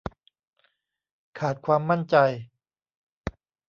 ขาดความมั่นใจ